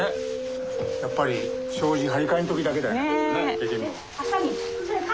やっぱり障子張り替えん時だけだよねできるのは。